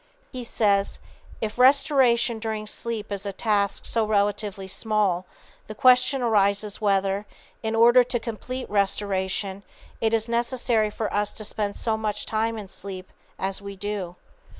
He says: "If restoration during sleep is a task so relatively small, the question arises whether, in order to complete restoration, it is necessary for us to spend so much time in sleep as we do.